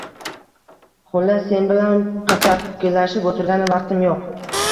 Xullas, sen bilan pachakilashib oʻtirgani vaqtim yoʻq.